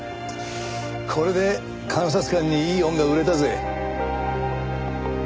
これで監察官にいい恩が売れたぜ。